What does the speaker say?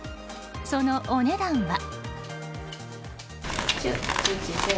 そのお値段は？